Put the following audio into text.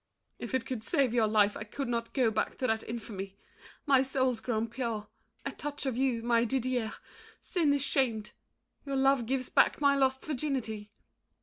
If it would save your life, I could not go Back to that infamy. My soul's grown pure At touch of you, my Didier; sin is shamed. Your love gives back my lost virginity.